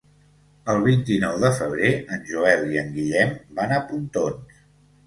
El vint-i-nou de febrer en Joel i en Guillem van a Pontons.